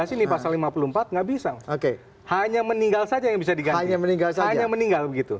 dua ribu enam belas ini pasal lima puluh empat nggak bisa oke hanya meninggal saja yang bisa diganti meninggal meninggal gitu